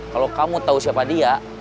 kalau kamu tahu siapa dia